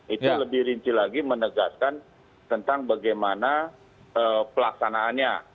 itu lebih rinci lagi menegaskan tentang bagaimana pelaksanaannya